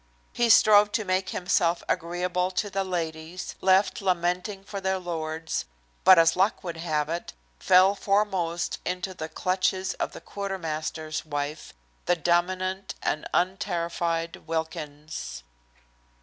He strove to make himself agreeable to the ladies, left lamenting for their lords, but as luck would have it, fell foremost into the clutches of the quartermaster's wife, the dominant and unterrified Wilkins.